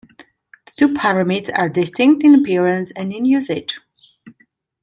The two pyramids are distinct in appearance and in usage.